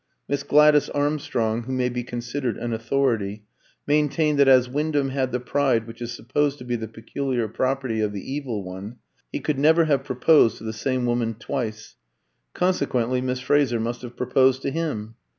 Miss Gladys Armstrong, who may be considered an authority, maintained that as Wyndham had the pride which is supposed to be the peculiar property of the Evil One, he could never have proposed to the same woman twice. Consequently Miss Fraser must have proposed to him.